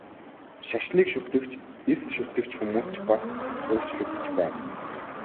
Шашныг шүтэгч, эс шүтэгч хүмүүс ч бас өөрчлөгдөж байна.